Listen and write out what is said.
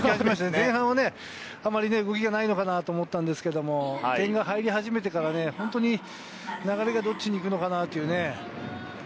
前半はあまり動きがないのかなと思ったんですけれども、点が入り始めてから、本当に流れがどっちに行くのかなっていう。